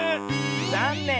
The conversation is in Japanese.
ざんねん。